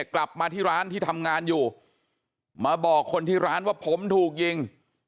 กลับมาที่ร้านที่ทำงานอยู่มาบอกคนที่ร้านว่าผมถูกยิง